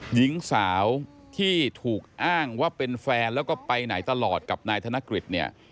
หญิงสาวที่ถูกอ้างว่าเป็นแฟนแล้วก็ไปไหนตลอดกับนายธนกฤษเนี่ย